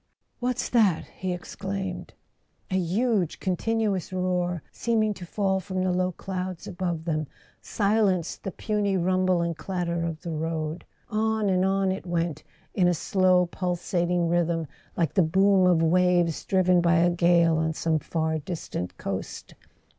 "What's that?" he exclaimed. A huge continuous roar, seeming to fall from the low clouds above them, silenced the puny rumble and clatter of the road. On and on it went, in a slow pul¬ sating rhythm, like the boom of waves driven by a gale on some far distant coast.